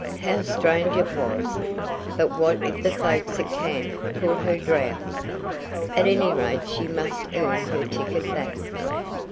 How strange it was! But what if the folks at camp thought her drowned? At any rate she must earn her ticket back.